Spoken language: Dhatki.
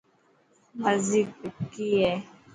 مرضي ڪئي هي؟